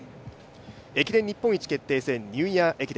駅伝日本一決定戦ニューイヤー駅伝。